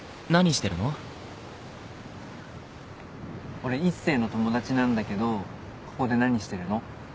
俺一星の友達なんだけどここで何してるの？